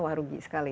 wah rugi sekali